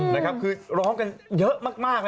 นะครับคือร้องกันเยอะมาก